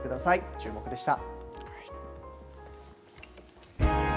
チューモク！でした。